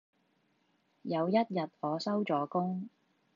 有一日我收咗工